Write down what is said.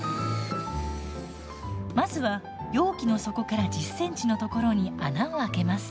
まずは容器の底から１０センチのところに穴を開けます。